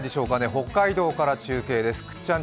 北海道から中継です。